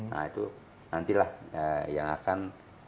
nah itu nantilah yang akan